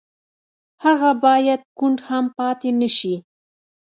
هغه بايد کوڼ هم پاتې نه شي.